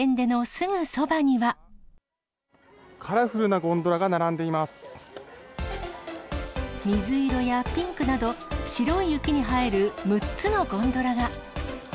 カラフルなゴンドラが並んで水色やピンクなど、白い雪に映える６つのゴンドラが。